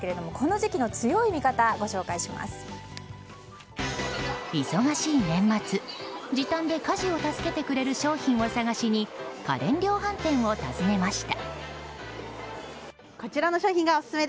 時短で家事を助けてくれる商品を探しに家電量販店を訪ねました。